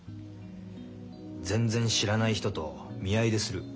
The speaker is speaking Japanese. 全然知らない人と見合いでする。